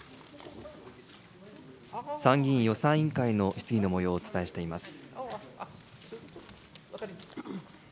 参議院予算委員会の質疑のもようをお伝えしています。